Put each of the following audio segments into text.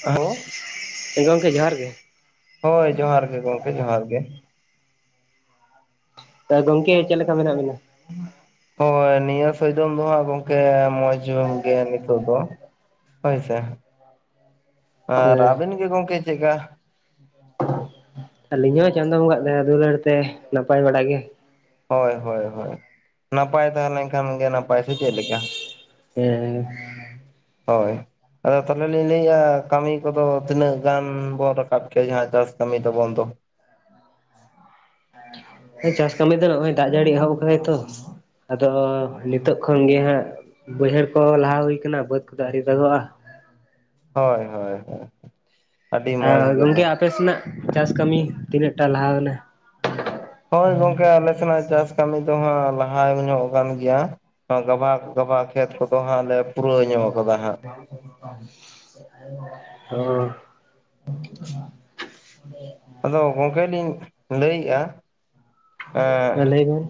Hello, ᱜᱚᱝᱠᱮ ᱡᱚᱦᱟᱨ ᱜᱮ ᱾ ᱦᱳᱭ ᱡᱚᱦᱟᱨ ᱜᱮ ᱜᱚᱢᱠᱮ ᱡᱚᱦᱟᱨ ᱜᱮ ᱛᱚ ᱜᱚᱝᱠᱮ ᱪᱮᱫ ᱞᱮᱠᱟ ᱢᱮᱱᱟᱜ ᱵᱤᱱᱟ ᱦᱳᱭ ᱱᱤᱭᱟᱹ ᱥᱚᱭᱡᱚᱢ ᱫᱚ ᱦᱟᱸᱜ ᱜᱚᱝᱠᱮ ᱢᱚᱸᱡᱽ ᱧᱚᱜ ᱜᱮᱭᱟ ᱱᱤᱛᱚᱜ ᱫᱚ ᱦᱳᱭ ᱥᱮ ᱟᱨ ᱦᱮᱸ ᱟᱹᱵᱤᱱ ᱜᱮ ᱜᱚᱢᱠᱮ ᱪᱮᱫ ᱠᱟ ᱟᱹᱞᱤᱧ ᱦᱚᱸ ᱪᱟᱸᱫᱳ ᱵᱟᱜᱟ-ᱟᱜ ᱫᱟᱹᱭᱟ ᱫᱩᱞᱟᱹᱲ ᱛᱮ ᱱᱟᱯᱟᱭ ᱵᱟᱲᱟ ᱜᱮ ᱦᱳᱭ ᱦᱳᱭ ᱦᱳᱭ ᱱᱟᱯᱟᱭ ᱛᱟᱦᱮᱸ ᱞᱮᱱᱠᱷᱟᱱ ᱜᱮ ᱱᱟᱯᱟᱭ ᱥᱮ ᱪᱮᱫᱞᱮᱠᱟ ᱦᱩ ᱦᱳᱭ ᱟᱫᱚ ᱛᱟᱦᱚᱞᱮ ᱞᱤᱧ ᱞᱟᱹᱭᱮᱫᱼᱟ ᱠᱟᱹᱢᱤ ᱠᱚᱫᱚ ᱛᱤᱱᱟᱹᱜ ᱜᱟᱱ ᱵᱚᱱ ᱨᱟᱠᱟᱵ ᱠᱮᱭᱟ ᱡᱟᱦᱟᱸ ᱪᱟᱥ ᱠᱟᱹᱢᱤ ᱛᱟᱵᱚᱱ ᱫᱚ ᱪᱟᱥ ᱠᱟᱹᱢᱤ ᱫᱚ ᱱᱚᱜᱼᱚᱭ ᱫᱟᱜ ᱡᱟᱹᱲᱤ ᱮᱦᱚᱵ ᱠᱟᱫᱟᱭ ᱛᱚ ᱟᱫᱚ ᱱᱤᱛᱚᱜ ᱠᱷᱚᱱ ᱜᱮ ᱦᱟᱸᱜ ᱵᱟᱹᱭᱦᱟᱹᱲ ᱠᱚ ᱞᱟᱦᱟ ᱦᱩᱭ ᱠᱟᱱᱟ ᱵᱟᱹᱫᱽ ᱠᱚᱫᱚ ᱟᱹᱨᱤ ᱫᱟᱜᱚᱜᱼᱟ ᱦᱳᱭ ᱦᱳᱭ ᱦᱳᱭ ᱟᱹᱰᱤ ᱟᱨ ᱢᱚᱸᱡᱽ ᱜᱮ ᱜᱚᱝᱠᱮ ᱫᱚ ᱟᱯᱮ ᱥᱮᱱᱟᱜ ᱪᱟᱥ ᱠᱟᱹᱢᱤ ᱛᱤᱱᱟᱹᱜ ᱴᱟ ᱞᱟᱦᱟᱣᱱᱟ ᱦᱳᱭ ᱜᱚᱝᱠᱮ ᱟᱞᱮ ᱥᱮᱱᱟᱜ ᱪᱟᱥ ᱠᱟᱹᱢᱤ ᱫᱚ ᱦᱜ ᱞᱟᱦᱟ ᱧᱚᱜ ᱟᱠᱟᱱ ᱜᱮᱭᱟ ᱜᱟᱵᱟᱜ ᱜᱟᱵᱟᱜ ᱠᱷᱮᱛ ᱠᱚᱫᱚ ᱦᱟᱸᱜ ᱞᱮ ᱯᱩᱨᱟᱹᱣ ᱧᱚᱜ ᱠᱟᱫᱟ ᱦᱟᱸᱜ ᱚ [inaudible] ᱟᱫᱚ ᱜᱚᱝᱚᱢᱠᱮ ᱞᱤᱧ ᱞᱟᱹᱭᱮᱫᱼᱟ ᱦᱮᱸ ᱞᱟᱹᱭ ᱵᱮᱱ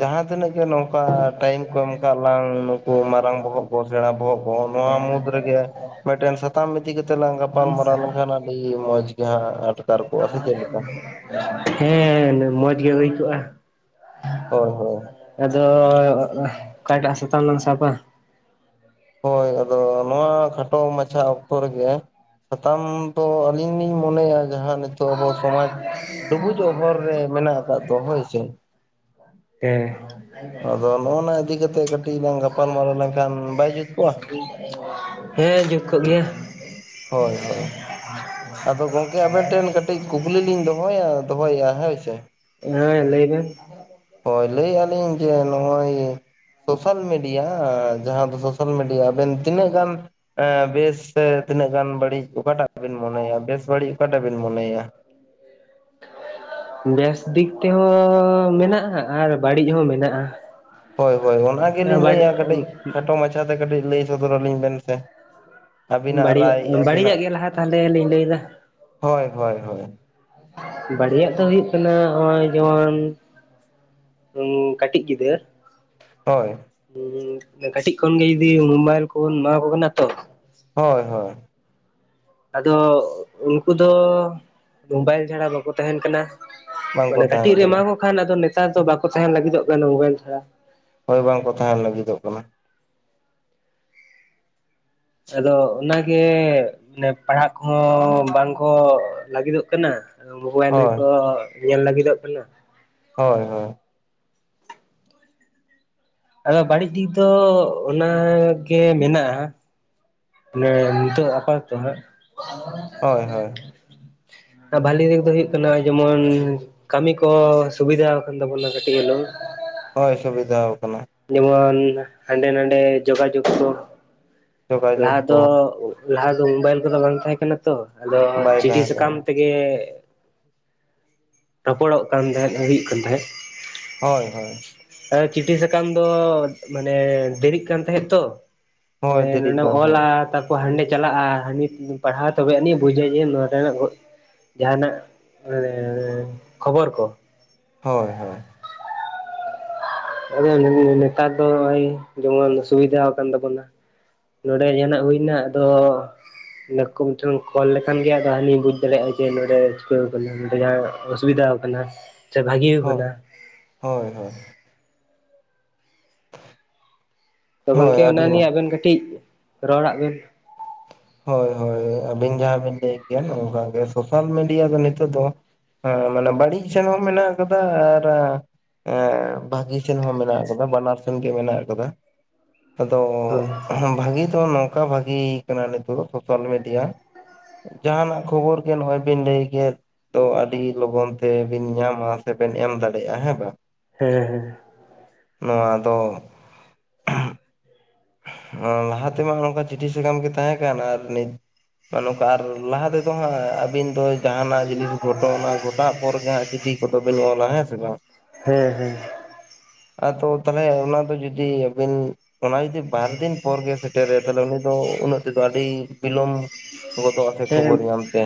ᱡᱟᱦᱟᱸ ᱛᱤᱱᱟᱹᱜ ᱜᱮ ᱱᱚᱝᱠᱟ ᱴᱟᱭᱤᱢ ᱠᱚ ᱮᱢ ᱠᱟᱜ ᱞᱟᱝ ᱱᱩᱠᱩ ᱢᱟᱨᱟᱝ ᱵᱚᱦᱚᱜ ᱥᱮᱬᱟ ᱵᱚᱜ ᱠᱚ ᱱᱚᱣᱟ ᱢᱩᱫᱽ ᱨᱮᱜᱮ ᱢᱤᱫᱴᱮᱱ ᱥᱟᱛᱟᱢ ᱤᱫᱤ ᱠᱟᱛᱮᱜ ᱞᱟᱝ ᱜᱟᱯᱟᱞ ᱢᱟᱨᱟᱨᱟᱣ ᱞᱮᱱᱠᱷᱟᱱ [unintelligible] ᱜᱮ ᱦᱟᱸᱜ ᱟᱴᱠᱟᱨ ᱠᱚᱜᱟ ᱥᱮ ᱪᱮᱫ ᱞᱮᱠᱟ ᱦᱮᱸ ᱢᱚᱡᱽ ᱜᱮ ᱦᱩᱭ ᱠᱚᱜᱼᱟ᱾ ᱦᱳᱭ ᱦᱳᱭ ᱟᱫᱚ ᱚᱠᱟᱴᱟᱜ ᱥᱟᱛᱟᱢ ᱞᱟᱝ ᱥᱟᱵ-ᱟ ᱦᱳᱭ ᱟᱫᱚ ᱱᱚᱣᱟ ᱠᱷᱟᱴᱚ ᱢᱟᱪᱷᱟ ᱚᱠᱛᱚ ᱨᱮᱜᱮ ᱥᱟᱛᱟᱢ ᱫᱚ ᱟᱹᱞᱤᱧ ᱞᱤᱧ ᱢᱚᱱᱮᱭᱟ ᱡᱟᱦᱟᱸᱱᱟᱜ ᱟᱵᱚ ᱥᱚᱢᱟᱡᱽ ᱰᱩᱵᱩᱡᱚᱜ ᱦᱚᱨ ᱨᱮ ᱢᱮᱱᱟᱜ ᱟᱠᱟᱫ ᱫᱚ ᱦᱳᱭ ᱥᱮ ᱮ ᱟᱫᱚ ᱱᱚᱜᱚᱱᱟ ᱤᱫᱤ ᱠᱟᱛᱮ ᱠᱟᱹᱴᱤᱡ ᱞᱟᱝ ᱜᱟᱯᱟᱞ ᱢᱟᱨᱟᱨᱟᱣ ᱞᱮᱱᱠᱷᱟᱱ ᱵᱟᱭ ᱡᱩᱫ ᱦᱮᱸ ᱡᱩᱫ ᱠᱚᱜ ᱜᱮᱭᱟ ᱦᱳᱭ ᱦᱳᱭ ᱟᱫᱚ ᱜᱚᱝᱠᱮ ᱟᱵᱮᱱ ᱴᱷᱮᱱ ᱠᱟᱹᱴᱤᱡ ᱠᱩᱠᱞᱤ ᱞᱤᱧ ᱫᱚᱦᱚᱭᱟ ᱫᱚᱦᱚᱭ ᱮᱭᱟ ᱦᱳᱭ ᱥᱮ ᱦᱮᱸ ᱞᱟᱹᱭ ᱵᱮᱱ ᱦᱳᱭ ᱞᱟᱹᱭᱮᱜᱼᱟ ᱞᱤᱧ ᱡᱮ ᱱᱚᱜᱼᱚᱭ ᱥᱳᱥᱟᱞ ᱢᱤᱰᱤᱭᱟ ᱡᱟᱦᱟᱸ ᱫᱚ ᱥᱳᱥᱟᱞ ᱢᱤᱰᱤᱭᱟ ᱟᱵᱮᱱ ᱛᱤᱱᱟᱹᱜ ᱜᱟᱱ ᱦᱮᱸ ᱵᱮᱥ ᱛᱤᱱᱟᱹᱜ ᱜᱟᱱ ᱵᱟᱹᱲᱤᱡ ᱚᱠᱟᱴᱟᱜ ᱵᱤᱱ ᱢᱚᱱᱮᱭᱟ ᱵᱮᱥ ᱵᱟᱹᱲᱤᱡ ᱚᱠᱟᱴᱟᱜ ᱵᱤᱱ ᱢᱚᱱᱮᱭᱟ ᱵᱮᱥ ᱫᱤᱠ ᱛᱮᱦᱚᱸ ᱢᱮᱱᱟᱜᱼᱟ ᱟᱨ ᱵᱟᱹᱲᱤᱡ ᱦᱚᱸ ᱢᱮᱱᱟᱜᱼᱟ᱾ ᱦᱳᱭ ᱦᱳᱭ ᱚᱱᱟ ᱜᱮᱞᱤᱧ ᱞᱟᱹᱭᱮᱫᱼᱟ ᱠᱟᱹᱴᱤᱡ ᱠᱷᱟᱴᱚ ᱢᱟᱪᱷᱟᱛᱮ ᱠᱟᱹᱴᱤᱡ ᱞᱟᱹᱭ ᱥᱚᱫᱚᱨ ᱟᱹᱞᱤᱧ ᱵᱮᱱ ᱥᱮ ᱟᱹᱵᱤᱱᱟᱜ ᱵᱟᱹᱲᱤᱡᱟᱜ ᱨᱟᱭ ᱵᱟᱹᱲᱤᱡᱟᱜ ᱟᱹᱵᱤᱱᱟᱜ ᱜᱮ ᱞᱟᱦᱟ ᱛᱟᱦᱞᱮ ᱞᱤᱧ ᱞᱟᱹᱭᱫᱟ᱾ ᱦᱳᱭ ᱦᱳᱭ ᱦᱳᱭ ᱵᱟᱹᱲᱤᱡ ᱫᱚ ᱦᱩᱭᱩᱜ ᱠᱟᱱᱟ ᱱᱚᱜᱼᱚᱭ ᱡᱮᱢᱚᱱ ᱩ ᱠᱟᱹᱴᱤᱡ ᱜᱤᱫᱽᱨᱟᱹ ᱦᱳᱭ ᱦᱮ ᱠᱟᱹᱴᱤᱡ ᱠᱷᱚᱱ ᱜᱮ ᱡᱩᱫᱤ ᱢᱳᱵᱟᱭᱤᱞ ᱠᱚᱵᱚᱱ ᱮᱢᱟᱠᱚ ᱠᱟᱱᱟ ᱛᱚ ᱦᱳᱭ ᱦᱳᱭ ᱟᱫᱚ ᱩᱱᱠᱩ ᱫᱚ ᱢᱳᱵᱟᱭᱤᱞ ᱪᱷᱟᱲᱟ ᱵᱟᱠᱚ ᱛᱟᱦᱮᱱ ᱠᱟᱱᱟ ᱵᱟᱝᱠᱚ ᱢᱟᱱᱮ ᱛᱟᱦᱮᱱ ᱠᱟᱹᱴᱤᱡ ᱨᱮ ᱠᱟᱱᱟ ᱮᱢᱟ ᱠᱚ ᱠᱷᱟᱱ ᱟᱫᱚ ᱱᱮᱛᱟᱨ ᱫᱚ ᱵᱟᱠᱚ ᱛᱟᱦᱮᱱ ᱞᱟᱹᱜᱤᱫᱚᱜ ᱠᱟᱱᱟ ᱢᱳᱵᱟᱭᱤᱞ ᱪᱷᱟᱲᱟ ᱦᱳᱭ ᱵᱟᱝᱠᱚ ᱛᱟᱦᱮᱱ ᱞᱟᱹᱜᱤᱫᱚᱜ ᱠᱟᱱᱟ᱾ ᱟᱫᱚ ᱚᱱᱟᱜᱮ ᱢᱟᱱᱮ ᱯᱟᱲᱦᱟᱜ ᱠᱚᱦᱚᱸ ᱵᱟᱝ ᱠᱚ ᱞᱟᱹᱜᱤᱫᱚᱜ ᱠᱟᱱᱟ᱾ ᱟᱫᱚ ᱢᱳᱵᱟᱭᱤᱞ ᱦᱳᱭ ᱜᱮᱠᱚ ᱧᱮᱞ ᱞᱟᱹᱜᱤᱫᱚᱜ ᱠᱟᱱᱟ᱾ ᱦᱳᱭ ᱦᱳᱭ ᱟᱫᱚ ᱵᱟᱹᱲᱤᱡ ᱫᱤᱠ ᱫᱚ ᱚᱱᱟᱜ ᱜᱮ ᱢᱮᱱᱟᱜᱼᱟ᱾ ᱢᱟᱱᱮ ᱱᱤᱛᱚᱜ ᱟᱯᱟᱛᱚᱛᱚ ᱦᱟᱜ ᱦᱳᱭ ᱦᱳᱭ ᱟᱨ ᱵᱷᱟᱞᱮ ᱫᱤᱠ ᱫᱚ ᱦᱩᱭᱩᱜ ᱠᱟᱱᱟ ᱡᱮᱢᱚᱱ ᱠᱟᱹᱢᱤ ᱠᱚ ᱥᱩᱵᱤᱫᱷᱟ ᱟᱠᱟᱱ ᱛᱟᱵᱚᱱᱟ ᱠᱟᱹᱴᱤᱡ ᱦᱮᱞᱳ ᱦᱳᱭ ᱥᱩᱵᱤᱫᱷᱟ ᱟᱠᱟᱱᱟ ᱡᱮᱢᱚᱱ ᱦᱟᱸᱰᱮ ᱱᱟᱰᱮ ᱡᱳᱜᱟᱡᱳᱜᱽ ᱠᱚ ᱡᱳᱜᱟᱡᱳᱜᱽ ᱞᱟᱦᱟ ᱠᱚ ᱫᱚ ᱞᱟᱦᱟ ᱫᱚ ᱢᱳᱵᱟᱭᱤᱞ ᱠᱚᱫᱚ ᱵᱟᱝ ᱛᱟᱦᱮᱸ ᱠᱟᱱᱟ ᱛᱚ ᱟᱫᱚ ᱵᱟᱭ ᱪᱤᱴᱷᱤ ᱛᱟᱦᱮᱸ ᱠᱟᱱᱟ ᱥᱟᱠᱟᱢ ᱛᱮ ᱜᱮ ᱨᱚᱯᱚᱲᱚᱜ ᱠᱟᱱ ᱛᱟᱦᱮᱸᱫ ᱦᱩᱭᱩᱜ ᱠᱟᱱ ᱛᱟᱦᱮᱸᱫ ᱦᱳᱭ ᱦᱳᱭ ᱪᱤᱴᱷᱤ ᱥᱟᱠᱟᱢ ᱫᱚ ᱢᱟᱱᱮ ᱫᱮᱨᱤᱜ ᱠᱟᱱ ᱛᱟᱦᱮᱸᱜ ᱛᱚ ᱦᱳᱭ ᱫᱮᱨᱤᱜ ᱱᱚᱸᱰᱮᱢ ᱠᱟᱱ ᱚᱞᱟ ᱛᱟᱦᱮᱸᱫ ᱛᱟ ᱦᱟᱸᱰᱮ ᱪᱟᱞᱟᱜᱼᱟ᱾ ᱦᱟᱱᱤ ᱯᱟᱲᱦᱟᱣ ᱛᱚᱵᱮ ᱟᱹᱱᱤᱡ ᱵᱩᱡᱟᱹ ᱡᱮ ᱱᱚᱸᱰᱮ ᱱᱟᱜ ᱡᱟᱦᱟᱱᱟᱜ ᱢᱟᱱᱮ ᱠᱷᱚᱵᱚᱨ ᱠᱚ᱾ ᱦᱳᱭ ᱦᱳᱭ᱾ ᱟ [unintelligible] ᱱᱮᱛᱟᱨ ᱫᱚ ᱱᱚᱜᱭ ᱡᱮᱢᱚᱱ ᱥᱩᱵᱤᱫᱷᱟ ᱠᱟᱱ ᱛᱟᱵᱚᱱᱟ᱾ ᱱᱚᱸᱰᱮ ᱡᱟᱦᱟᱱᱟᱜ ᱦᱩᱭᱱᱟ ᱟᱫᱚ ᱱᱠᱩ ᱢᱤᱫᱴᱮᱱ ᱠᱚᱞ ᱞᱮᱠᱷᱟᱱ ᱜᱮ ᱟᱫᱚ ᱦᱟᱹᱱᱤᱭ ᱵᱩᱡ ᱫᱟᱲᱮᱭᱟᱜᱼᱟ ᱡᱮ ᱱᱚᱸᱰᱮ ᱪᱤᱠᱟᱹᱣ ᱠᱟᱱᱟ ᱱᱚᱸᱰᱮ ᱡᱟᱦᱟᱸ ᱚᱥᱩᱵᱤᱫᱟ ᱚᱱᱟ ᱥᱮ ᱵᱷᱟᱜᱤᱣ ᱦᱳᱭ ᱠᱟᱱᱟ᱾ ᱦᱳᱭ ᱦᱳᱭ᱾ ᱛᱚ ᱦᱳᱭ ᱜᱚᱢᱠᱮ ᱟᱹᱰᱤ ᱚᱱᱟ ᱱᱤᱭᱮ ᱱᱟᱯᱟᱭ ᱟᱵᱮᱱ ᱠᱟᱹᱴᱤᱡ ᱨᱚᱲᱟᱜ ᱵᱮᱱ᱾ ᱦᱳᱭ ᱦᱳᱭ ᱟᱹᱵᱤᱱ ᱡᱟᱦᱟᱸ ᱵᱤᱱ ᱞᱟᱹᱭ ᱠᱮᱼᱟ ᱱᱚᱝᱠᱟ ᱜᱮ ᱥᱳᱥᱟᱞ ᱢᱤᱰᱤᱭᱟ ᱫᱚ ᱱᱤᱛᱚᱜ ᱫᱚ ᱦᱮᱸ ᱢᱟᱱᱮ ᱵᱟᱹᱲᱤᱡ ᱥᱮᱱ ᱦᱚᱸ ᱢᱮᱱᱟᱜ ᱟᱠᱟᱫᱟ ᱟᱨ ᱵᱷᱟᱜᱤ ᱢᱮᱱᱟᱜ ᱟᱠᱟᱫᱟ ᱵᱟᱱᱟᱨ ᱥᱮᱱ ᱜᱮ ᱢᱮᱱᱟᱜ ᱟᱠᱟᱫᱟ᱾ ᱟᱫᱚ ᱦᱳᱭ ᱵᱷᱟᱜᱤ ᱫᱚ ᱱᱚᱝ ᱱᱚᱝᱠᱟ ᱵᱷᱟᱜᱤ ᱠᱟᱱᱟ ᱱᱤᱛᱚᱜ ᱫᱚ ᱥᱳᱥᱟᱞ ᱢᱤᱰᱤᱭᱟ ᱡᱟᱦᱟᱱᱟᱜ ᱠᱷᱚᱵᱚᱨ ᱜᱮ ᱱᱚᱜᱼᱚᱭ ᱵᱤᱱ ᱞᱟᱹᱭ ᱠᱮᱫ ᱛᱚ ᱟᱹᱰᱤ ᱞᱚᱜᱚᱱ ᱛᱮ ᱵᱤᱱ ᱧᱟᱢᱟ ᱥᱮᱵᱮᱱ ᱮᱢ ᱫᱟᱲᱮᱭᱟᱜᱼᱟ᱾ ᱦᱮᱸ ᱵᱟᱝ? ᱦᱮᱸ ᱦᱮᱸ᱾ ᱱᱚᱣᱟ ᱫᱚ ᱞᱟᱦᱟᱛᱮ ᱢᱟ ᱚᱱᱠᱟ ᱪᱤᱴᱷᱤ ᱥᱟᱠᱟᱢ ᱜᱮ ᱛᱟᱦᱮᱸ ᱠᱟᱱ ᱟᱨ ᱱᱤᱛ- ᱱᱚᱝᱠᱟ ᱟᱨ ᱞᱟᱦᱟ ᱛᱮᱫᱚ ᱦᱟᱸᱜ ᱟᱹᱵᱤᱱ ᱫᱚ ᱡᱟᱦᱱᱟᱜ ᱡᱤᱱᱤᱥ ᱜᱷᱚᱴᱚᱱᱟ ᱜᱷᱚᱴᱟᱜ ᱯᱚᱨ ᱜᱮ ᱦᱟᱸᱜ ᱪᱤᱴᱷᱤ ᱠᱚᱫᱚ ᱵᱤᱱ ᱚᱞᱟ ᱦᱮᱸ ᱥᱮ ᱵᱟᱝ? ᱦᱮᱸ ᱦᱮᱸ᱾ ᱟᱫᱚ ᱛᱟᱦᱚᱞᱮ ᱚᱱᱟ ᱫᱚ ᱡᱩᱫᱤ ᱟᱹᱵᱤᱱ ᱚᱱᱟ ᱡᱩᱫᱤ ᱵᱟᱨ ᱫᱤᱱ ᱯᱚᱨ ᱜᱮᱥᱮ ᱥᱮᱴᱮᱨᱟᱭᱟ ᱛᱟᱦᱚᱞᱮ ᱩᱱᱤ ᱫᱚ ᱩᱱᱟᱹᱜ ᱛᱮᱫᱚ ᱟᱹᱰᱤ ᱵᱤᱞᱚᱢ ᱜᱚᱫᱚᱜᱼᱟ᱾ ᱥᱮ ᱠᱷᱚᱵᱚᱨ ᱦᱮᱸ ᱧᱟᱢ ᱛᱮ᱾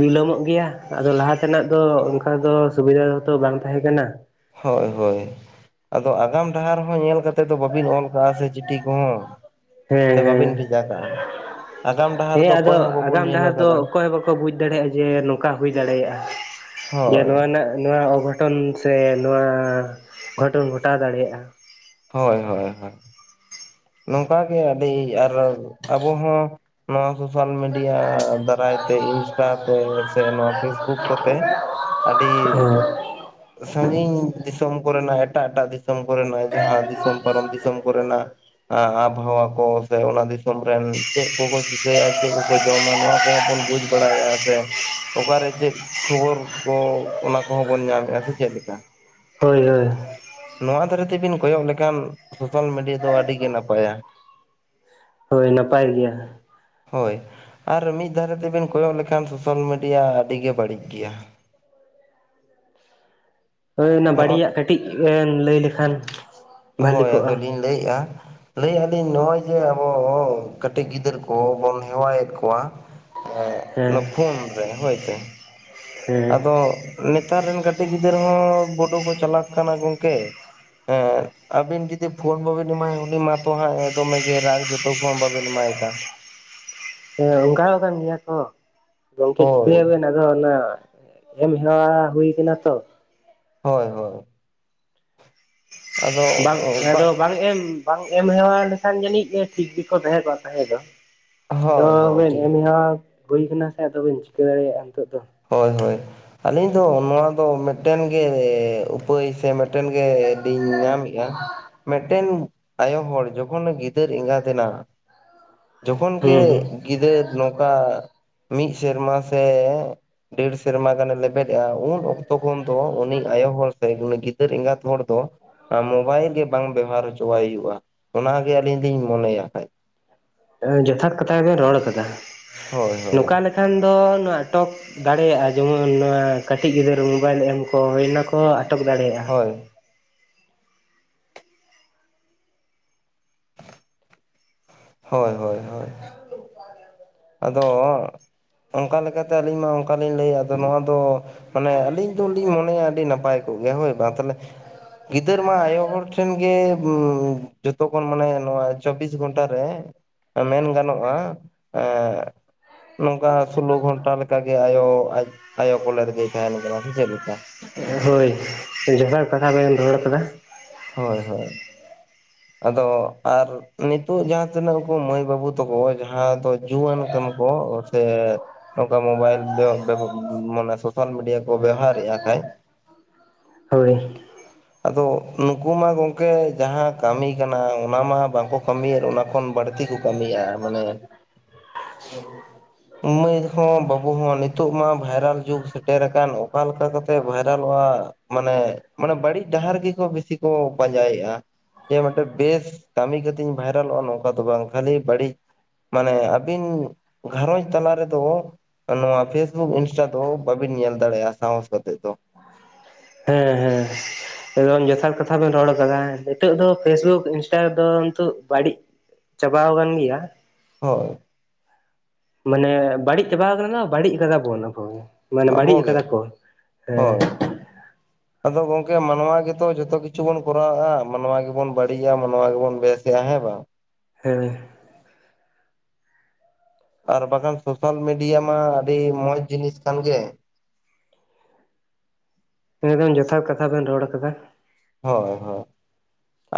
ᱵᱤᱞᱚᱢᱚᱜ ᱜᱮᱭᱟ᱾ ᱟᱫᱚ ᱞᱟᱦᱟ ᱛᱮᱱᱟᱜ ᱫᱚ ᱚᱱᱠᱟ ᱫᱚ ᱥᱩᱵᱤᱫᱷᱟ ᱛᱚ ᱵᱟᱝ ᱛᱟᱦᱮᱸ ᱠᱟᱱᱟ᱾ ᱦᱳᱭ ᱦᱳᱭ᱾ ᱟᱫᱚ ᱟᱜᱟᱢ ᱰᱟᱦᱟᱨ ᱦᱚᱸ ᱧᱮᱞ ᱠᱟᱛᱮᱜ ᱫᱚ ᱵᱟᱵᱤᱱ ᱚᱞ ᱠᱟᱜᱼᱟ ᱥᱮ ᱪᱤᱴᱷᱤ ᱠᱚᱦᱚᱸ᱾ ᱦᱮᱸ ᱥᱮ ᱦᱮᱸ᱾ ᱵᱟᱹᱵᱤᱱ ᱵᱷᱮᱡᱟ ᱠᱟᱜᱼᱟ ᱟᱜᱟᱢ ᱰᱟᱦᱟᱨ ᱦᱮᱸ ᱫᱚ ᱟᱫᱚ ᱚᱠᱚᱭ ᱦᱚᱸ ᱵᱟᱵᱚᱱ ᱟᱜᱟᱢ ᱧᱮᱞ ᱰᱟᱦᱟᱨ ᱫᱚ ᱟᱠᱟᱫᱟ ᱚᱠᱚᱭ ᱦᱚᱸ ᱵᱟᱠᱚ ᱵᱩᱡᱽ ᱫᱟᱲᱮᱭᱟᱜᱼᱟ ᱡᱮ ᱱᱚᱝᱠᱟ ᱦᱩᱭ ᱫᱟᱲᱮᱭᱟᱜᱼᱟ᱾ ᱡᱮ ᱦᱳᱭ ᱱᱚᱣᱟ ᱨᱮᱱᱟᱜ ᱱᱚᱣᱟ ᱚᱜᱷᱚᱴᱚᱱ ᱥᱮ ᱱᱚᱣᱟ ᱜᱷᱚᱴᱚᱱ ᱜᱷᱚᱴᱟᱣ ᱫᱟᱲᱮᱭᱟᱜᱼᱟ᱾ ᱦᱳᱭ ᱦᱳᱭ ᱦᱳᱭ ᱱᱚᱝᱠᱟ ᱜᱮ ᱟᱹᱰᱤ ᱟᱨ ᱟᱵᱚ ᱦᱚᱸ ᱱᱚᱣᱟ ᱥᱳᱥᱟᱞ ᱢᱤᱰᱤᱭᱟ ᱫᱟᱨᱟᱭᱛᱮ ᱤᱱᱥᱴᱟ ᱛᱮ ᱥᱮ ᱱᱚᱣᱟ ᱯᱷᱮᱥᱵᱩᱠ ᱠᱚᱛᱮ [inaudible] ᱟᱹᱰᱤ ᱦᱮᱸ ᱥᱟᱺᱜᱤᱧ ᱫᱤᱥᱚᱢ ᱠᱚᱨᱮᱱᱟᱜ ᱮᱴᱟᱜ ᱮᱴᱟᱜ ᱫᱤᱥᱚᱢ ᱠᱚᱨᱮᱱᱟᱜ ᱡᱟᱦᱟᱸ ᱫᱤᱥᱚᱢ ᱯᱟᱨᱚᱢ ᱫᱤᱥᱚᱢ ᱠᱚᱨᱮᱱᱟᱜ, ᱟᱵᱚᱦᱟᱣᱟ ᱠᱚ ᱥᱮ ᱚᱱᱟ ᱫᱤᱥᱚᱢ ᱨᱮᱱ ᱪᱮᱫ ᱠᱚᱠᱚ ᱪᱤᱠᱟᱹᱭᱟ ᱪᱮᱫ ᱠᱚᱠᱚ ᱡᱚᱢᱟ ᱱᱚᱣᱟ ᱠᱚ ᱦᱚᱸᱵᱚᱱ ᱵᱩᱡᱽ ᱵᱟᱲᱟᱭᱮᱫᱼᱟ ᱥᱮ᱾ ᱚᱠᱟᱨᱮ ᱪᱮᱫ ᱠᱷᱚᱵᱚᱨ ᱠᱚ ᱚᱱᱟ ᱠᱚᱦᱚᱸ ᱵᱚᱱ ᱧᱟᱢᱮᱫᱼᱟ᱾ ᱥᱮ ᱪᱮᱫ ᱞᱮᱠᱟ? ᱦᱳᱭ ᱦᱳᱭ᱾ ᱱᱚᱣᱟ ᱫᱷᱟᱨᱮ ᱛᱮᱵᱤᱱ ᱠᱚᱭᱚᱜ ᱞᱮᱠᱷᱟᱱ ᱥᱳᱥᱟᱞ ᱢᱤᱰᱤᱭᱟ ᱫᱚ ᱟᱹᱰᱤ ᱜᱮ ᱱᱟᱯᱟᱭᱟ᱾ ᱦᱳᱭ ᱱᱟᱯᱟᱭ ᱜᱮᱭᱟ᱾ ᱦᱳᱭ ᱟᱨ ᱢᱤᱫ ᱫᱷᱟᱨᱮ ᱛᱮᱵᱮᱱ ᱠᱚᱭᱚᱜ ᱞᱮᱠᱷᱟᱱ ᱥᱳᱥᱟᱞ ᱢᱤᱰᱤᱭᱟ ᱟᱹᱰᱤ ᱜᱮ ᱵᱟᱹᱲᱤᱡ ᱜᱮᱭᱟ᱾ ᱦᱳᱭ ᱚᱱᱟ ᱦᱚᱸᱜᱼᱚᱭ ᱵᱟᱹᱲᱤᱡ ᱟᱜ ᱠᱟᱹᱴᱤᱡ ᱮᱢ ᱞᱟᱹᱭ ᱞᱮᱠᱷᱟᱱ ᱵᱷᱟᱞᱤ ᱦᱳᱭ ᱠᱚᱜᱼᱟ ᱟᱫᱚᱞᱤᱧ ᱞᱟᱹᱭᱮᱫᱼᱟ᱾ ᱞᱟᱹᱭᱮᱫ ᱟᱞᱤᱧ ᱱᱚᱜᱼᱚᱭ ᱡᱮ ᱟᱵᱚ ᱠᱟᱹᱴᱤᱡ ᱜᱤᱫᱽᱟᱹᱨᱟᱹ ᱠᱚᱵᱚᱱ ᱦᱮᱣᱟᱭᱮᱫ ᱠᱚᱣᱟ ᱮᱜ ᱦᱮᱸ ᱱᱚᱣᱟ ᱯᱷᱳᱱ ᱨᱮ ᱦᱳᱭᱥᱮ ᱦᱮᱸ ᱟᱫᱚ ᱱᱮᱛᱟᱨ ᱨᱮᱱ ᱠᱟᱹᱴᱤᱡ ᱜᱤᱫᱽᱟᱹᱨ ᱦᱚᱸ ᱵᱳᱰᱳ ᱠᱚ ᱪᱟᱞᱟᱜ ᱠᱟᱱᱟ ᱜᱚᱝᱠᱮ᱾ ᱦᱮᱸ ᱟᱹᱵᱤᱱ ᱡᱩᱫᱤ ᱯᱷᱳᱱ ᱵᱟᱵᱤᱱ ᱮᱢᱟᱭᱟ ᱩᱱᱤ ᱢᱟᱛᱚ ᱦᱟᱸᱜ ᱮᱫᱚᱢᱮ ᱜᱮᱭ ᱨᱟᱜ ᱾ ᱛᱩ ᱯᱳᱱ ᱵᱟᱵᱤᱱ ᱮᱢᱟᱭᱠᱟᱱ᱾ ᱦᱮᱸ ᱚᱱᱠᱟ ᱠᱟᱱ ᱜᱮᱭᱟ ᱛᱚ᱾ ᱜᱚᱝᱠᱮ ᱦᱳᱭ ᱪᱤᱠᱟᱹᱭᱟ ᱵᱮᱱ᱾ ᱟᱫᱚ ᱚᱱᱟ ᱮᱢ ᱦᱮᱣᱟ ᱦᱩᱭ ᱠᱟᱱᱟ ᱛᱚ᱾ ᱦᱳᱭ ᱦᱳᱭ ᱟᱫᱚ ᱵᱟᱝ ᱚᱱᱠᱟ ᱟᱫᱚ ᱵᱟᱝ ᱮᱢ ᱵᱟᱝ ᱮᱢ ᱦᱮᱣᱟ ᱞᱮᱠᱷᱟᱱ ᱡᱟᱹᱱᱤᱡ ᱴᱷᱤᱠ ᱜᱮᱠᱚ ᱛᱟᱦᱮᱸ ᱠᱚᱜ ᱛᱟᱦᱮᱸ ᱫᱚ᱾ ᱟᱫᱚ ᱦᱳᱭ ᱦᱳᱭ ᱵᱮᱱ ᱴᱷᱤᱠ ᱮᱢᱦᱟ ᱦᱩᱭ ᱠᱟᱱᱟ ᱥᱮ ᱟᱫᱚᱵᱮᱱ ᱪᱤᱠᱟᱹ ᱫᱟᱲᱮᱭᱟᱜᱼᱟ ᱱᱤᱛᱳᱜ ᱫᱚ᱾ ᱦᱳᱭ ᱦᱳᱭ ᱟᱹᱞᱤᱧ ᱫᱚ ᱱᱚᱣᱟ ᱫᱚ ᱢᱤᱫᱴᱮᱱ ᱜᱮ ᱩᱯᱟᱹᱭ ᱥᱮ ᱢᱤᱫᱴᱮᱱ ᱜᱮ ᱞᱤᱧ ᱧᱟᱢᱮᱫᱼᱟ᱾ ᱢᱤᱫᱴᱮᱱ ᱟᱭᱳ ᱦᱚᱲ ᱡᱚᱠᱷᱚᱱ ᱜᱤᱫᱟᱹᱨ ᱮᱸᱜᱟᱛ ᱮᱱᱟ, ᱡᱚᱠᱷᱚᱱ ᱜᱮ ᱦᱩᱸ ᱜᱤᱫᱟᱹᱨ ᱱᱚᱝᱠᱟ ᱢᱤᱫ ᱥᱮᱨᱢᱟ ᱥᱮ ᱰᱮᱲ ᱥᱮᱨᱢᱟ ᱜᱟᱱᱮ ᱞᱮᱵᱮᱫᱮᱜᱼᱟ ᱩᱱ ᱚᱠᱛᱚ ᱠᱷᱚᱱ ᱫᱚ ᱩᱱᱤ ᱟᱭᱳ ᱦᱚᱲ ᱥᱮ ᱩᱱᱤ ᱜᱤᱫᱟᱹᱨ ᱮᱸᱜᱟᱛ ᱦᱚᱲ ᱫᱚ, ᱚᱱᱟ ᱢᱳᱵᱟᱭᱤᱞ ᱜᱮ ᱵᱟᱝ ᱵᱮᱵᱚᱦᱟᱨ ᱦᱚᱪᱚᱣᱟᱭ ᱦᱩᱭᱩᱜᱼᱟ ᱚᱱᱟᱜᱮ ᱟᱹᱞᱤᱧ ᱞᱤᱧ ᱢᱚᱱᱮᱭᱟ ᱠᱷᱟᱡ ᱡᱚᱛᱷᱟᱛ ᱠᱟᱛᱷᱟᱵᱮᱱ ᱨᱚᱲ ᱟᱠᱟᱫᱟ᱾ ᱦᱳᱭ ᱦᱳᱭ ᱱᱚᱝᱠᱟ ᱞᱮᱠᱟ ᱠᱷᱟᱱ ᱫᱚ ᱱᱟᱴᱚᱠ ᱫᱟᱲᱮᱭᱟᱜᱼᱟ ᱡᱮᱢᱚᱱ ᱱᱚᱣᱟ ᱠᱟᱹᱴᱤᱡ ᱜᱤᱫᱽᱟᱹᱨ ᱢᱳᱵᱟᱭᱤᱞ ᱮᱢ ᱠᱚ ᱦᱩᱭᱱᱟᱠᱚ᱾ ᱠᱚ ᱟᱴᱚᱠ ᱫᱟᱲᱮᱭᱟᱜᱼᱟ᱾ ᱦᱳᱭ ᱦᱳᱭ ᱦᱳᱭ ᱦᱳᱭ ᱟᱫᱚ ᱚᱱᱠᱟ ᱞᱮᱠᱟᱛᱮ ᱟᱹᱞᱤᱧ ᱢᱟ ᱚᱱᱠᱟᱞᱤᱧ ᱞᱟᱹᱭᱟ ᱟᱫᱚ ᱱᱚᱣᱟ ᱫᱚ, ᱢᱟᱱᱮ ᱟᱹᱞᱤᱧ ᱫᱚᱞᱤᱧ ᱢᱚᱱᱮᱭᱟ ᱟᱹᱰᱤ ᱱᱟᱯᱟᱭ ᱠᱚᱜ ᱜᱮᱭᱟ, ᱦᱳᱭ ᱵᱟᱝ ᱛᱟᱦᱚᱞᱮ ᱜᱤᱫᱟᱹᱨ ᱢᱟ ᱟᱭᱳ ᱦᱚᱲ ᱴᱷᱮᱱ ᱜᱮ ᱡᱚᱛᱚᱠᱷᱚᱱ ᱢᱟᱱᱮ ᱱᱚᱣᱟ ᱪᱚᱵᱤᱥ ᱜᱷᱚᱱᱴᱟ ᱨᱮ ᱢᱮᱱ ᱜᱟᱱᱚᱜᱼᱟ ᱮᱸ [inaudible] ᱱᱚᱝᱠᱟ ᱥᱳᱞᱳ ᱜᱷᱚᱱᱴᱟ ᱞᱮᱠᱟᱜᱮ ᱟᱭᱳ ᱟᱡ ᱟᱭᱳ ᱠᱚᱞᱮ ᱨᱮᱜᱮ ᱛᱟᱦᱮᱱ ᱠᱟᱱᱟ, ᱥᱮ ᱪᱮᱫᱞᱮᱠᱟ ᱦᱳᱭ ᱡᱚᱛᱷᱟᱛ ᱠᱟᱛᱷᱟ ᱵᱮᱢ ᱨᱚᱲ ᱟᱠᱟᱫᱟ᱾ ᱦᱳᱭ ᱦᱳᱭ [inaudible] ᱟᱫᱚ ᱟᱨ ᱱᱤᱛᱚᱜ ᱡᱟᱦᱟᱸ ᱛᱤᱱᱟᱹᱜ ᱠᱩ ᱢᱟᱹᱭ ᱵᱟᱹᱵᱩ ᱛᱟᱠᱚ ᱡᱟᱦᱟᱸ ᱫᱚ ᱡᱩᱣᱟᱹᱱ ᱠᱟᱱ ᱠᱚ ᱥᱮ ᱱᱚᱝᱠᱟ ᱢᱳᱵᱟᱭᱤᱞ ᱢᱟᱱᱮ ᱥᱳᱥᱟᱞ ᱢᱤᱰᱤᱭᱟ ᱠᱚ ᱵᱮᱣᱦᱟᱨᱮᱫᱼᱟ ᱠᱷᱟᱡ ᱦᱳᱭ ᱟᱫᱚ ᱱᱩᱠᱩ ᱢᱟ ᱜᱚᱢᱠᱮ ᱡᱟᱦᱟᱸ ᱠᱟᱹᱢᱤ ᱠᱟᱱᱟ ᱚᱱᱟ ᱢᱟ ᱵᱟᱝᱠᱚ ᱠᱟᱹᱢᱤ ᱭᱮᱫ ᱚᱱᱟ ᱠᱷᱚᱱ ᱵᱟᱹᱲᱛᱤ ᱠᱩ ᱠᱟᱹᱢᱤᱭᱟ ᱢᱟᱱᱮ᱾ [inaudible] ᱢᱟᱹᱭ ᱦᱚᱸ ᱵᱟᱹᱵᱩ ᱦᱚᱸ ᱱᱤᱛᱚᱜ ᱢᱟ ᱵᱷᱟᱭᱨᱟᱞ ᱡᱩᱜᱽ ᱥᱮᱴᱮᱨ ᱟᱠᱟᱱ, ᱚᱠᱟ ᱞᱮᱠᱟ ᱠᱟᱛᱮᱜ ᱵᱷᱟᱭᱨᱟᱞᱚᱜ-ᱟ᱾ ᱢᱟᱱᱮ ᱢᱟᱱᱮ ᱵᱟᱹᱲᱤᱡ ᱰᱟᱦᱟᱨ ᱜᱮᱠᱚ ᱵᱮᱥᱤ ᱠᱚ ᱯᱟᱸᱡᱟᱭᱮᱜ-ᱟ᱾ ᱡᱮ ᱢᱤᱫᱴᱮᱡ ᱵᱮᱥ ᱠᱟᱢᱤ ᱠᱟᱹᱛᱤᱧ ᱵᱷᱟᱭᱨᱟᱞᱚᱜ-ᱟ ᱱᱚᱝᱠᱟ ᱫᱚ ᱵᱟᱝ ᱠᱷᱟᱞᱤ ᱵᱟᱹᱲᱤᱡ ᱢᱟᱱᱮ ᱟᱵᱤᱱ ᱜᱷᱟᱨᱚᱸᱡᱽ ᱛᱟᱞᱟ ᱨᱮᱫᱚ᱾ ᱱᱚᱶᱟ ᱯᱷᱮᱥᱵᱩᱠ ᱤᱱᱥᱴᱟ ᱫᱚ ᱵᱟᱵᱤᱱ ᱧᱮᱞ ᱫᱟᱲᱮᱭᱟᱜ-ᱟ ᱥᱟᱦᱚᱸᱥ ᱠᱟᱛᱮᱜ ᱫᱚ᱾ ᱦᱮᱸ ᱦᱮᱸ᱾ ᱮᱠᱫᱚᱢ ᱡᱚᱛᱷᱟᱛ ᱠᱟᱛᱷᱟ ᱵᱮᱱ ᱨᱚᱲ ᱟᱠᱟᱫᱟ, ᱦᱮᱸ ᱱᱤᱛᱚᱜ ᱫᱚ ᱯᱷᱮᱥᱵᱩᱠ ᱤᱱᱥᱴᱟ ᱫᱚ ᱱᱤᱛᱩᱜ ᱵᱟᱲᱤᱡ ᱪᱟᱵᱟᱣ ᱠᱟᱱ ᱜᱮᱭᱟ᱾ ᱦᱚᱭ᱾ ᱢᱟᱱᱮ ᱵᱟᱲᱤᱡ ᱪᱟᱵᱟ ᱟᱠᱟᱱᱟ ᱵᱟᱲᱤᱡ ᱠᱟᱫᱟ ᱵᱚᱱ ᱟᱵᱚ ᱜᱮ‌ ᱢᱟᱱᱮ ᱵᱟᱲᱤᱡ ᱟᱵᱚᱜᱮ ᱟᱠᱟᱫᱟ ᱠᱚ, ᱦᱮᱸ᱾ ᱦᱳᱭ ᱟᱫᱚ ᱜᱚᱝᱠᱮ ᱢᱟᱱᱶᱟ ᱜᱮᱛᱚ ᱡᱚᱛᱚ ᱠᱤᱪᱷᱩ ᱵᱚᱱ ᱠᱚᱨᱟᱣᱮᱜ-ᱟ, ᱢᱟᱱᱶᱟ ᱜᱮᱵᱚᱱ ᱵᱟᱹᱲᱤᱡ-ᱟ, ᱢᱟᱱᱶᱟ ᱜᱮᱵᱚᱱ ᱵᱮᱥ-ᱟ, ᱦᱮᱸ ᱵᱟᱝ᱾ ᱦᱮᱸ᱾ ᱟᱨ ᱵᱟᱠᱷᱟᱱ ᱥᱳᱥᱟᱞ ᱢᱤᱰᱤᱭᱟ ᱢᱟ ᱟᱹᱰᱤ ᱢᱚᱸᱡᱽ ᱡᱤᱱᱤᱥ ᱠᱟᱱ ᱜᱮ᱾ ᱮᱠᱫᱚᱢ ᱡᱚᱛᱷᱟᱛ ᱠᱟᱛᱷᱟ ᱵᱮᱱ ᱨᱚᱲ ᱟᱠᱟᱫᱟ᱾ ᱦᱚᱭ ᱦᱚᱭ᱾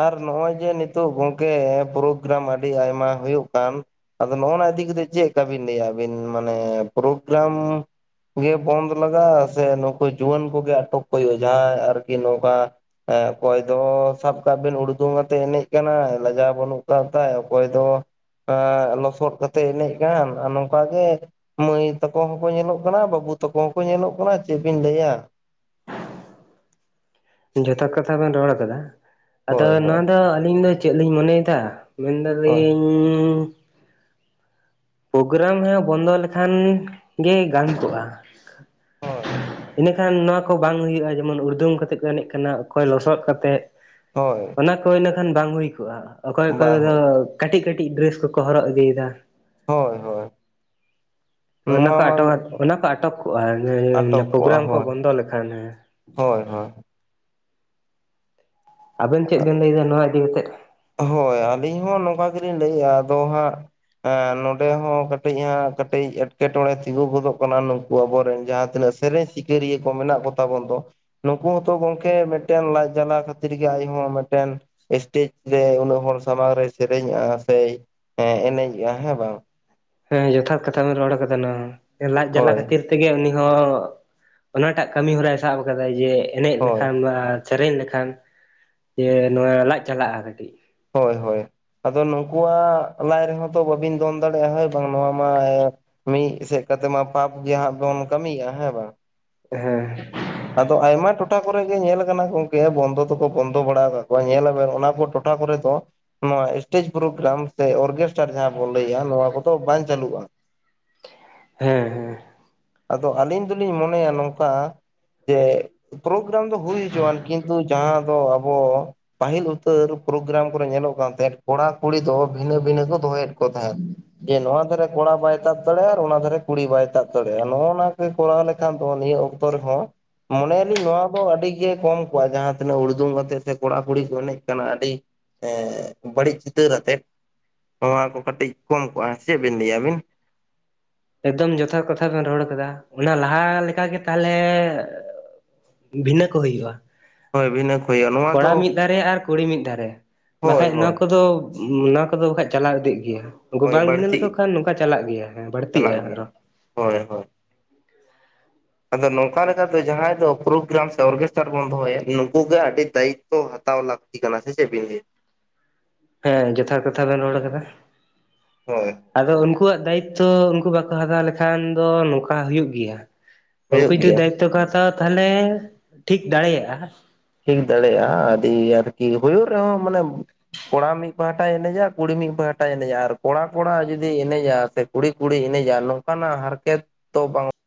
ᱟᱨ ᱱᱚᱜ-ᱚᱭ ᱡᱮ ᱱᱤᱛᱚᱜ ᱜᱚᱝᱠᱮ ᱯᱨᱳᱜᱽᱨᱟᱢ ᱟᱹᱰᱤ ᱟᱭᱢᱟ ᱦᱩᱭᱩᱜ ᱠᱟᱱ᱾ ᱟᱫᱚ ᱱᱚᱜ-ᱚ ᱱᱚᱣᱟ ᱤᱫᱤ ᱠᱟ ᱠᱟᱛᱮᱜ ᱪᱮᱜ ᱠᱟ ᱵᱤᱱ ᱞᱟᱹᱭᱟ ᱟᱹᱵᱤᱱ ᱢᱟᱱᱮ ᱯᱨᱳᱜᱽᱨᱟᱢ ᱜᱮ ᱵᱚᱱᱫ ᱞᱟᱜᱟᱜ-ᱟ ᱥᱮ ᱱᱩᱠᱩ ᱡᱩᱣᱟᱹᱱ ᱠᱚᱜᱮ ᱟᱴᱚᱠ ᱠᱚ ᱦᱩᱭᱩᱜ-ᱟ ᱡᱟᱦᱟᱸᱭ ᱟᱨ ᱠᱤ ᱱᱚᱝᱠᱟ ᱮᱸ ᱚᱠᱚᱭ ᱫᱚ ᱥᱟᱵ ᱠᱟᱜ ᱵᱱ ᱩᱲᱫᱩᱝ ᱟᱛᱮᱜ ᱮᱱᱮᱡ ᱠᱟᱱᱟᱭ, ᱞᱟᱡᱟᱣ ᱵᱟᱹᱱᱩᱜ ᱟᱠᱟᱫ ᱛᱟᱭ ᱚᱠᱚᱭ ᱫᱚ ᱞᱚᱥᱚᱫ ᱠᱟᱛᱮᱜ ᱮᱱᱮᱡ ᱠᱟᱱ ᱟᱨ ᱱᱚᱝᱠᱟ ᱜᱮ ᱢᱟᱹᱭ ᱛᱟᱠᱚ ᱦᱚᱸᱠᱚ ᱧᱮᱞᱚᱜ ᱠᱟᱱᱟ ᱵᱟᱹᱵᱩ ᱛᱟᱠᱚ ᱦᱚᱸᱠᱚ ᱧᱮᱞᱚᱜ ᱠᱟᱱᱟ ᱪᱮᱜ ᱵᱤᱱ ᱞᱟᱹᱭᱟ? ᱡᱚᱛᱷᱟᱛ ᱠᱟᱛᱷᱟ ᱵᱮᱱ ᱨᱚᱲ ᱟᱠᱟᱫᱟ ᱟᱫᱚ ᱦᱳᱭ ᱱᱚᱣᱟ ᱦᱳᱭ ᱫᱚ ᱟᱹᱞᱤᱧ ᱫᱚ ᱪᱮᱜ ᱞᱤᱧ ᱢᱚᱱᱮᱭ ᱫᱟ? ᱢᱮᱱ ᱦᱳᱭ ᱫᱟᱨᱤᱧᱼᱼ ᱯᱨᱳᱜᱽᱨᱟᱢ ᱦᱮᱸ ᱵᱚᱱᱫᱚ ᱞᱮᱠᱷᱟᱱ ᱜᱮ ᱜᱟᱱ ᱠᱚᱜ-ᱟ᱾ ᱦᱚᱭ᱾ ᱮᱸᱰᱮᱠᱷᱟᱱ ᱱᱚᱣᱟ ᱠᱚ ᱵᱟᱝ ᱦᱩᱭᱩᱜ-ᱟ ᱡᱮᱢᱚᱱ ᱩᱲᱫᱩᱝ ᱠᱟᱛᱮ ᱠᱚ ᱮᱱᱮᱡ ᱠᱟᱱᱟ ᱚᱠᱚᱭ ᱞᱚᱥᱚᱫ ᱠᱟᱛᱮᱜ᱾ ᱦᱚᱭ᱾ ᱚᱱᱟ ᱠᱚ ᱤᱱᱟᱹ ᱠᱷᱟᱱ ᱵᱟᱝ ᱦᱩᱭ ᱠᱚᱜ-ᱟ ᱚᱠᱚᱭ ᱚᱠᱚᱭ ᱵᱟᱝ ᱫᱚ ᱦᱳᱭ ᱠᱟᱴᱤᱡ ᱠᱟᱹᱴᱤᱡ ᱰᱮᱨᱮᱥ ᱠᱚᱠᱚ ᱦᱚᱨᱚᱜ ᱤᱫᱤ ᱭᱮᱫᱟ᱾ ᱦᱚᱭ ᱦᱚᱭ᱾ ᱦᱚᱭ ᱚᱱᱟ ᱠᱚ ᱟᱴᱚᱠ ᱟᱫ ᱚᱱᱟ ᱠᱚ ᱟᱴᱚᱠ ᱠᱚᱜ-ᱟ [unintelligible] ᱯᱨᱳᱜᱽᱨᱟᱢ ᱠᱚ ᱵᱚᱱᱫᱚ ᱞᱮᱠᱷᱟᱱ ᱦᱮᱸ᱾ ᱦᱚᱭ ᱦᱚᱭ᱾ ᱟᱵᱮᱱ ᱪᱮᱫ ᱵᱮᱱ ᱞᱟᱹᱭ ᱫᱟ ᱱᱚᱣᱟ ᱤᱫᱤ ᱠᱟᱛᱮᱜ? ᱦᱚᱭ ᱟᱞᱤᱧ ᱦᱚᱸ ᱱᱚᱝᱠᱟ ᱜᱮᱞᱤᱧ ᱞᱟᱹᱭᱮᱜ-ᱟ ᱟᱫᱚ ᱦᱟᱸᱜ᱾ ᱮᱸ ᱱᱚᱸᱰᱮ ᱦᱚᱸ ᱠᱟᱴᱤᱡ ᱦᱟᱸᱜ ᱠᱟᱹᱴᱤᱡ ᱮᱴᱠᱮᱴᱚᱬᱮ ᱛᱤᱸᱜᱩ ᱜᱚᱫᱚᱜ ᱠᱟᱱᱟ ᱱᱩᱠᱩ ᱟᱵᱚ ᱨᱮᱱ ᱡᱟᱦᱟᱸ ᱛᱤᱱᱟᱹᱜᱥᱼᱼ ᱥᱮᱨᱮᱧ ᱥᱤᱠᱟᱹᱨᱤᱭᱟᱹ ᱠᱚ ᱢᱮᱱᱟᱜ ᱠᱚᱛᱟ ᱵᱚᱱ ᱫᱚ᱾ ᱱᱩᱠᱩ ᱦᱚᱸᱛᱚ ᱜᱚᱝᱠᱮ ᱢᱮᱫᱴᱮᱱ ᱞᱟᱡ ᱡᱟᱞᱟ ᱠᱷᱟᱛᱤᱨ ᱜᱮ ᱟᱡ ᱦᱚᱸ ᱢᱮᱫᱴᱮᱱ ᱮᱥᱴᱮᱡᱽᱼᱼ ᱡᱮ ᱩᱱᱟᱹᱜ ᱦᱚᱲ ᱥᱟᱢᱟᱝ ᱨᱮ ᱥᱮᱨᱮᱧᱮᱜ-ᱟ ᱥᱮᱡ ᱮᱱᱮᱡᱮᱜ-ᱟ ᱦᱮᱸ ᱵᱟᱝ᱾ ᱦᱮᱸ ᱡᱚᱛᱷᱟᱛ ᱠᱟᱛᱷᱟ ᱵᱮᱱ ᱨᱚᱲ ᱠᱟᱫᱟ ᱱᱚᱶᱟ ᱦᱚᱸ ᱞᱟᱡ ᱡᱟᱞᱟ ᱦᱳᱭ ᱠᱷᱟᱹᱛᱤᱨᱼᱼ ᱛᱮ ᱜᱮ ᱩᱱᱤ ᱦᱚᱸ ᱚᱱᱟ ᱴᱟᱜ ᱠᱟᱢᱤ ᱦᱚᱨᱟᱭ ᱥᱟᱵ ᱟᱠᱟᱫᱟᱭ ᱡᱮ ᱮᱱᱮᱡ ᱦᱳᱭ ᱞᱮᱠᱷᱟᱱ ᱵᱟᱝᱼᱼ ᱥᱮᱨᱮᱧ ᱞᱮᱠᱷᱟᱱ ᱡᱮ ᱱᱚᱣᱟ ᱞᱟᱡ ᱪᱟᱞᱟᱜ-ᱟ ᱠᱟᱹᱴᱤᱡ᱾ ᱦᱳᱭ ᱦᱳᱭ᱾ ᱟᱫᱚ ᱱᱩᱠᱩᱣᱟᱜ ᱞᱟᱡ ᱨᱮᱦᱚᱸ ᱛᱚ ᱵᱟᱹᱵᱤᱱ ᱫᱚᱱ ᱫᱟᱲᱮᱭᱟᱜ-ᱟ ᱦᱳᱭ ᱵᱟᱝ ᱱᱚᱣᱟ ᱢᱟ ᱮᱼᱼ ᱢᱤᱫ ᱥᱮᱜ ᱠᱟᱛᱮᱜ ᱢᱟ ᱯᱟᱯ ᱜᱮᱜ ᱦᱟᱸᱜ ᱵᱚᱱ ᱠᱟᱹᱢᱤᱭᱟ ᱦᱮᱸ ᱵᱟᱝ᱾ ᱦᱮᱸ᱾ ᱟᱫᱚ ᱟᱭᱢᱟ ᱴᱚᱴᱷᱟ ᱠᱚᱨᱮ ᱜᱮ ᱧᱮᱞ ᱠᱟᱱᱟ ᱜᱚᱝᱠᱮ ᱵᱚᱱᱫᱚ ᱫᱚᱠᱚ ᱵᱚᱱᱫᱚ ᱵᱟᱲᱟ ᱟᱠᱟᱜ ᱠᱚᱣᱟ ᱧᱮᱞᱟ ᱵᱮᱱ ᱚᱱᱟ ᱠᱚ ᱴᱚᱴᱷᱟ ᱠᱚᱨᱮ ᱫᱚ᱾ ᱱᱚᱣᱟ ᱮᱥᱴᱮᱡᱽ ᱯᱨᱳᱜᱽᱨᱟᱢ ᱥᱮ ᱚᱨᱜᱮᱥᱴᱟᱨ ᱡᱟᱦᱟᱸ ᱵᱚᱱ ᱞᱟᱹᱭᱟ ᱱᱚᱣᱟ ᱠᱚᱫᱚ ᱵᱟᱝ ᱪᱟᱹᱞᱟᱜ-ᱟ᱾ ᱦᱮᱸ ᱦᱮᱸ᱾ ᱟᱫᱚ ᱟᱞᱤᱧ ᱫᱩᱞᱤᱧ ᱢᱚᱱᱮᱭᱟ ᱱᱚᱝᱠᱟ ᱡᱮᱼᱼ ᱯᱨᱳᱜᱨᱟᱢ ᱫᱚ ᱦᱩᱭ ᱦᱚᱪᱚᱣᱟᱱ ᱠᱤᱱᱛᱩ ᱡᱟᱦᱟᱸ ᱫᱚ ᱟᱵᱚ ᱯᱟᱦᱤᱞ ᱩᱛᱟᱹᱨ ᱯᱨᱳᱜᱨᱟᱢ ᱠᱚᱨᱮ ᱧᱮᱞᱚᱜ ᱠᱟᱱ ᱛᱟᱦᱮᱸᱫ ᱠᱚᱲᱟ ᱠᱩᱲᱤ ᱫᱚ ᱵᱷᱤᱱᱟᱹ ᱵᱷᱤᱱᱟᱹ ᱠᱚ ᱫᱚᱦᱚᱭᱮᱫ ᱠᱚᱛᱷᱟᱭ ᱡᱮ ᱱᱚᱣᱟ ᱫᱷᱟᱨᱟ ᱠᱚᱲᱟ ᱵᱟᱭ ᱛᱟᱵᱽ ᱫᱟᱲᱮᱭᱟᱜᱼᱟ ᱟᱨ ᱚᱱᱟ ᱫᱷᱟᱨᱮ ᱠᱩᱲᱤ ᱵᱟᱭ ᱛᱟᱵᱽ ᱫᱟᱲᱮᱭᱟᱜᱼᱟ ᱱᱚᱜᱼᱚ ᱱᱟ ᱜᱮ ᱠᱚᱨᱟᱣ ᱞᱮᱠᱷᱟᱱ ᱫᱚ ᱱᱤᱭᱟᱹ ᱚᱠᱛᱚ ᱨᱮᱦᱚᱸ ᱢᱚᱱᱮᱭᱟᱞᱤᱧ ᱱᱚᱶᱟ ᱫᱚ ᱟᱹᱰᱤᱜᱮ ᱠᱚᱢ ᱠᱚᱜᱼᱟ ᱡᱟᱦᱟᱸ ᱛᱤᱱᱟᱹᱜ ᱩᱲᱫᱟᱹᱝ ᱠᱟᱛᱮᱜ ᱥᱮ ᱠᱚᱲᱟ ᱠᱩᱲᱤ ᱠᱚ ᱮᱱᱮᱡ ᱠᱟᱱᱟ ᱟᱰᱤ ᱮᱸᱻ ᱵᱟᱹᱲᱤᱡ ᱪᱤᱛᱟᱹᱨ ᱟᱛᱮᱫ ᱱᱚᱣᱟ ᱠᱚ ᱠᱟᱹᱴᱤᱡ ᱠᱚᱢ ᱠᱚᱜᱼᱟ ᱪᱮᱫ ᱵᱤᱱ ᱞᱟᱹᱭᱟ ᱟᱵᱤᱱ? ᱮᱠᱫᱚᱢ ᱡᱚᱛᱷᱟᱛ ᱠᱟᱛᱷᱟ ᱵᱮᱱ ᱨᱚᱲ ᱠᱟᱫᱟ ᱚᱱᱟ ᱞᱟᱦᱟ ᱞᱮᱠᱟᱜᱮ ᱛᱟᱦᱞᱮ ᱵᱷᱤᱱᱟᱹ ᱠᱚ ᱦᱩᱭᱩᱜᱼᱟ ᱦᱳᱭ ᱵᱷᱤᱱᱟᱹ ᱠᱚ ᱦᱩᱭᱩᱜᱼᱟ ᱱᱚᱣᱟ ᱠᱚᱲᱟ ᱫᱚ ᱢᱤᱫ ᱫᱷᱟᱨᱮ ᱟᱨ ᱠᱩᱲᱤ ᱢᱤᱫ ᱫᱷᱟᱨᱮ ᱦᱳᱭ ᱵᱟᱠᱷᱟᱡ ᱱᱚᱣᱟ ᱦᱳᱭ ᱠᱚᱫᱚ ᱚᱱᱟ ᱠᱚᱫᱚ ᱵᱟᱠᱟᱱᱡ ᱪᱟᱞᱟᱣ ᱤᱫᱤᱜ ᱜᱮᱭᱟ ᱩᱝᱠᱩ ᱦᱳᱭ ᱵᱟᱝ ᱵᱷᱤᱱᱟᱹ ᱵᱟᱹᱲᱛᱤ ᱞᱮᱠᱚ ᱠᱷᱟᱱ ᱱᱚᱝᱠᱟ ᱪᱟᱞᱟᱜ ᱜᱮᱭᱟ ᱦᱮᱸ ᱵᱟᱹᱲ ᱪᱟᱞᱟᱜ ᱜᱤᱭᱟᱹᱦᱳᱭ ᱦᱳᱭ [inaudible] ᱟᱫᱚ ᱱᱚᱝᱠᱟ ᱞᱮᱠᱟᱛᱮ ᱡᱟᱦᱟᱸᱭ ᱫᱚ ᱯᱨᱳᱜᱨᱟᱢ ᱥᱮ ᱚᱨᱠᱮᱥᱴᱟᱨ ᱵᱚᱱ ᱫᱚᱦᱚᱭᱟ ᱱᱩᱠᱩᱜ ᱜᱮ ᱟᱹᱰᱤ ᱫᱟᱭᱤᱛᱛᱚ ᱦᱟᱛᱟᱣ ᱞᱟᱠ ᱛᱤ ᱠᱟᱱᱟ ᱥᱮ ᱪᱮᱫ ᱵᱤᱱ ᱞᱟᱭᱟ ᱦᱮᱸ ᱡᱚᱛᱷᱟᱛ ᱠᱟᱛᱷᱟ ᱵᱮᱱ ᱨᱚᱲ ᱠᱟᱫᱟ ᱦᱳᱭ ᱟᱫᱚ ᱩᱱᱠᱩᱣᱟᱜ ᱫᱟᱭᱤᱛᱛᱚ ᱩᱱᱠᱩ ᱵᱟᱠᱚ ᱦᱟᱛᱟᱣ ᱞᱮᱠᱷᱟᱱ ᱫᱚ ᱱᱚᱝᱠᱟ ᱦᱩᱭᱩᱜ ᱜᱮᱭᱟ ᱩᱱᱠᱩ ᱦᱩᱭᱩᱜ ᱡᱩᱫᱤ ᱜᱮᱭᱟ ᱫᱟᱭᱤᱛᱛᱚ ᱠᱚ ᱦᱟᱛᱟᱣᱟ ᱛᱟᱦᱞᱮ ᱴᱷᱤᱠ ᱫᱟᱲᱮᱭᱟᱜᱼᱟ ᱴᱷᱤᱠ ᱫᱟᱲᱮᱭᱟᱜᱼᱟ ᱟᱫᱤ ᱟᱨᱠᱤ ᱦᱩᱭᱩᱜ ᱨᱮᱦᱚᱸ ᱢᱟᱱᱮ ᱠᱚᱲᱟ ᱢᱤᱫ ᱯᱟᱦᱟᱴᱟᱭ ᱮᱱᱮᱡᱟ ᱠᱩᱲᱤ ᱢᱤᱫ ᱯᱟᱦᱟᱴᱟᱭ ᱮᱱᱮᱡᱟ ᱟᱨ ᱠᱚᱲᱟ ᱠᱚᱲᱟ ᱡᱩᱫᱤ ᱮᱱᱮᱡᱼᱟ ᱥᱮ ᱠᱩᱲᱤ ᱠᱩᱲᱤᱭ ᱮᱱᱮᱡᱟ ᱱᱚᱝᱠᱟᱱᱟᱜ ᱦᱟᱨᱠᱮᱛ ᱛᱚ ᱵᱟᱝ